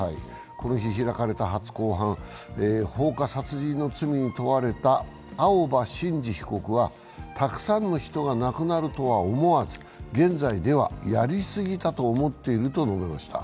この日、開かれた初公判、放火殺人の罪に問われた青葉真司被告はたくさんの人が亡くなるとは思わず、現在ではやりすぎたと思っていると述べました。